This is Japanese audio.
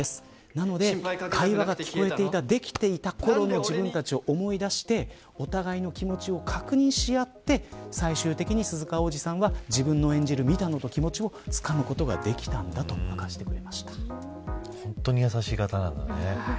なので、会話が聞こえていたできていたころの自分たちを思い出してお互いの気持ちを確認しあって最終的に鈴鹿央士さんは自分の演じる湊斗の気持ちをつかむことができたんだと感じて本当に優しい方なんだね。